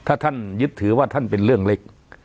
ถ้าท่านยึดถือว่าท่านเป็นเรื่องเล็ก